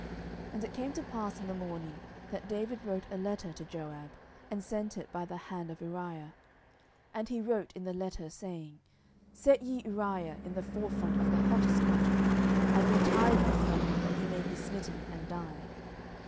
10:011:014 And it came to pass in the morning, that David wrote a letter to Joab, and sent it by the hand of Uriah. 10:011:015 And he wrote in the letter, saying, Set ye Uriah in the forefront of the hottest battle, and retire ye from him, that he may be smitten, and die.